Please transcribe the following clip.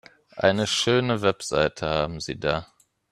Eine schöne Website haben Sie da.